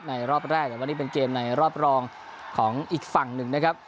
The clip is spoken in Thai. รอบแรกแต่วันนี้เป็นเกมในรอบรองของอีกฝั่งหนึ่งนะครับ